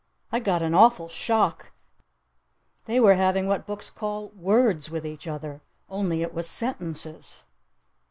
I got an awful shock. They were having what books call "words" with each other. Only it was "sentences!"